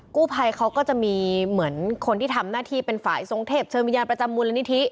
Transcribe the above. กู้ภัยเขาก็จะมีเหมือนคนที่ทำหน้าที่เป็นฝ่ายทรงเทพเชิญวิญญาณประจำมูลนิธิ